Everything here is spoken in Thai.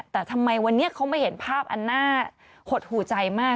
แต่ทำไมวันนี้เขามาเห็นภาพอันน่าหดหูใจมาก